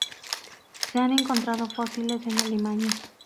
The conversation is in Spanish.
Se han encontrado fósiles en Alemania.